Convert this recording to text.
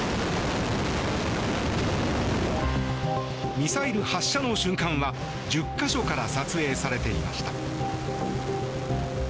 ミサイル発射の瞬間は１０か所から撮影されていました。